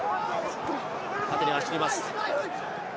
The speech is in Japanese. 縦に走ります。